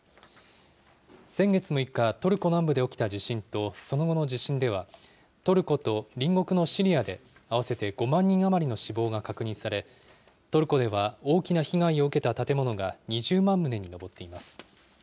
先月６日、トルコ南部で起きた地震とその後の地震では、トルコと隣国のシリアで、合わせて５万人余りの死亡が確認され、トルコでは大きな被害を受けた建物が２０万棟に上っています。